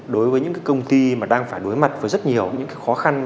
đối với những công ty đang phải đối mặt với rất nhiều khó khăn